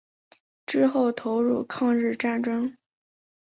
之后投入抗日战争。